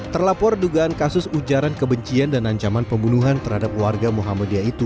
terlapor dugaan kasus ujaran kebencian dan ancaman pembunuhan terhadap warga muhammadiyah itu